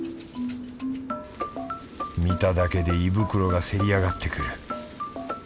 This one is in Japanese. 見ただけで胃袋がせり上がってくる。